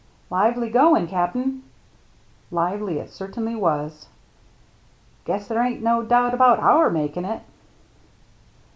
" Lively goin', Cap'n." Lively it certainly was. " Guess there ain't no doubt about our makin' it!"